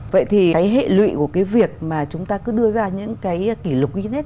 vậy thì hệ lụy của việc chúng ta cứ đưa ra những kỷ lục guinness